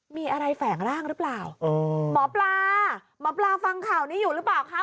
มีอะไรแฝงร่างหรือเปล่าหมอปลาหมอปลาฟังข่าวนี้อยู่หรือเปล่าคะ